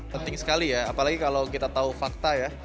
penting sekali ya apalagi kalau kita tahu fakta ya